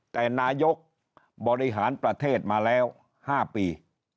แต่นายกบริหารประเทศมาแล้ว๕ปี